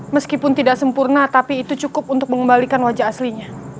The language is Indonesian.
meskipun tidak sempurna tapi itu cukup untuk mengembalikan wajah aslinya